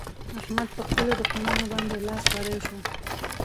احمد په خپلو دښمانانو باندې لاس بری شو.